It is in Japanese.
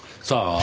さあ。